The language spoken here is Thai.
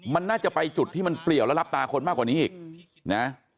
มันน่าจะไปจุดที่มันเปลี่ยวและรับตาคนมากกว่านี้อีกนะ